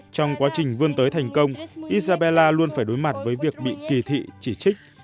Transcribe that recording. trong quá trình vươn tới thành công isabella luôn phải đối mặt với việc bị kỳ thị chỉ trích